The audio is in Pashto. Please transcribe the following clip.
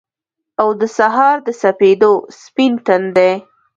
او دسهار دسپیدو ، سپین تندی